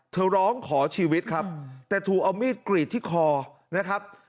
ร้องขอชีวิตครับแต่ถูกเอามีดกรีดที่คอนะครับ